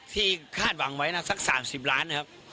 คาดหวังไว้นะสัก๓๐ล้านนะครับ